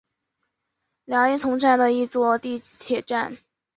凉荫丛站的一座地铁站。